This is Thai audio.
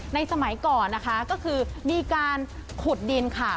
สมัยก่อนนะคะก็คือมีการขุดดินค่ะ